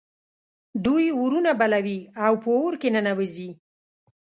دوی اورونه بلوي او په اور کې ننوزي.